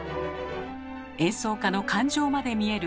演奏家の感情まで見える